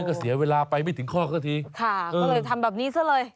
ก็เลยทำแบบนี้ซะเลย